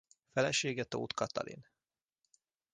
Felesége Tóth Katalin.